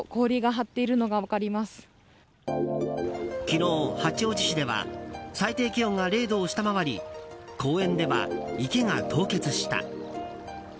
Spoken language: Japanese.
昨日、八王子市では０度を下回り公園では池が凍結した。